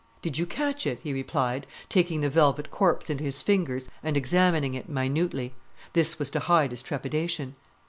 "Did you catch it?" he replied, taking the velvet corpse into his fingers and examining it minutely. This was to hide his trepidation.